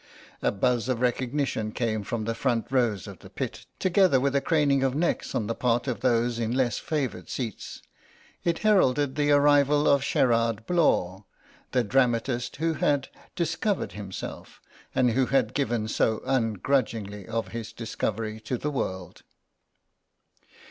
A buzz of recognition came from the front rows of the pit, together with a craning of necks on the part of those in less favoured seats. It heralded the arrival of Sherard Blaw, the dramatist who had discovered himself, and who had given so ungrudgingly of his discovery to the world.